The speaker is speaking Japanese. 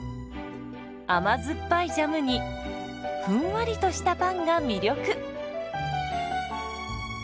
甘酸っぱいジャムにふんわりとしたパンが魅力。